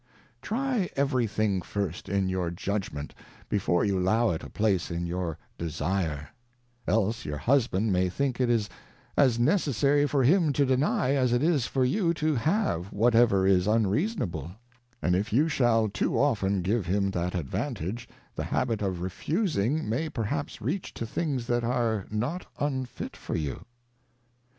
Try every thing first in your Judgment, before you allow it a place in your Desire ; else your Husband may think it as necessary for him to deny, as it is for you to have whatever is unreasonable ; and if you shall too often give him that advan tage, the habit of refusing may perhaps reach to things that are not unfit for you.